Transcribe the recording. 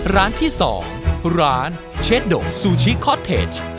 ร้านที่๒ร้านเชฟโดซูชิคอสเทจ